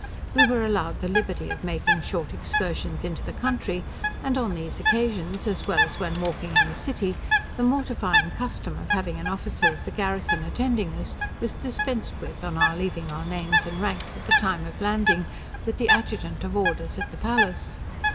We were allowed the liberty of making short excursions into the country, and on these occasions, as well as when walking in the city, the mortifying custom of having an officer of the garrison attending us was dispensed with on our leaving our names and ranks, at the time of landing, with the adjutant of orders at the palace.